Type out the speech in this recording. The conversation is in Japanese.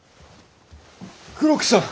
黒木さん！